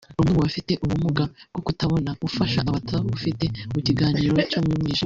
umwe mu bafite ubumuga bwo kutabona ufasha abatabufite mu kiganiro cyo mu mwijima